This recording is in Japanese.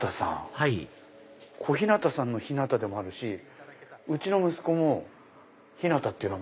はい小日向さんの「日向」でもあるしうちの息子も「ヒナタ」っていう。